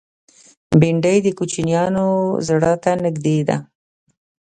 بېنډۍ د کوچنیانو زړه ته نږدې ده